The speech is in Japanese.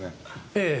ええ。